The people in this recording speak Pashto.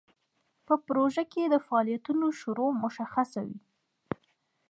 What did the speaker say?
په پروژه کې د فعالیتونو شروع مشخصه وي.